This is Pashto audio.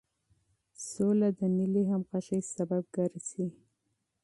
سوله د ملي همغږۍ سبب ګرځي.